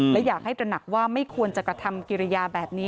และอยากให้ตระหนักว่าไม่ควรจะกระทำกิริยาแบบนี้